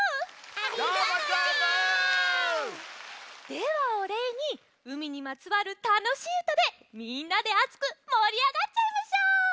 ではおれいにうみにまつわるたのしいうたでみんなであつくもりあがっちゃいましょう！